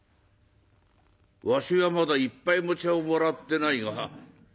「わしはまだ一杯も茶をもらってないが。